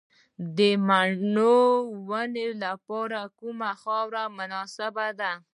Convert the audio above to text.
د مڼو د ونو لپاره کومه خاوره مناسبه ده؟